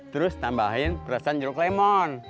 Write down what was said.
terus tambahin perasaan jeruk lemon